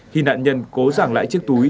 khi nạn nhân cố giảng lại chiếc túi